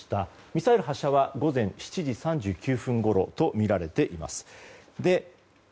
ミサイル発射は午前７時３９分ごろとみられています。